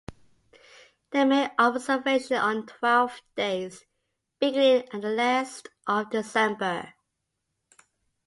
They make observation on twelve days, beginning at the last of December.